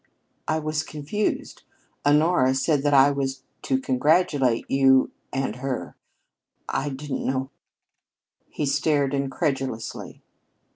"I was confused. Honora said I was to congratulate you and her. I didn't know " He stared incredulously.